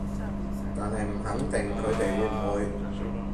但係唔肯定佢哋會唔會